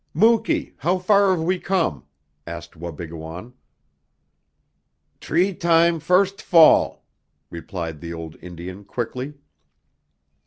"Muky, how far have we come?" asked Wabigoon. "T'ree time first fall," replied the old Indian quickly.